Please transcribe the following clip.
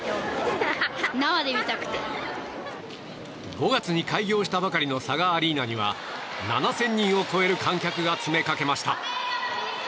５月に開業したばかりのＳＡＧＡアリーナには７０００人を超える観客が詰めかけました。